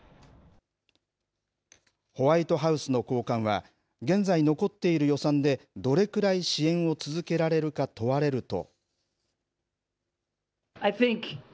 ホワイトハウスの高官は、現在残っている予算で、どれくらい支援を続けられるか問われると。